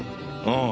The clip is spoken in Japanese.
ああ。